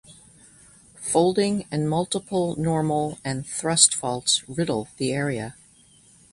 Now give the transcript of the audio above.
Folding and multiple normal and thrust faults riddle the area.